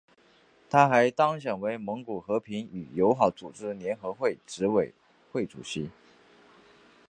他还当选为蒙古和平与友好组织联合会执委会主席。